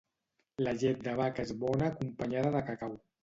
La llet de vaca és bona acompanyada de cacau.